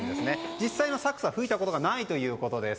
実際のサックスは吹いたことがないということです。